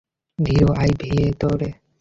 থিরু, আয় ভেতরে।